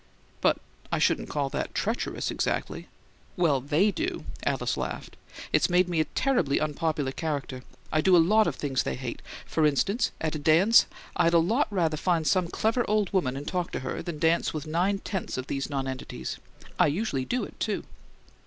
"But I shouldn't call that treacherous, exactly." "Well, THEY do," Alice laughed. "It's made me a terribly unpopular character! I do a lot of things they hate. For instance, at a dance I'd a lot rather find some clever old woman and talk to her than dance with nine tenths of these nonentities. I usually do it, too."